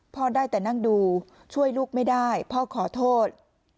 ได้แต่นั่งดูช่วยลูกไม่ได้พ่อขอโทษ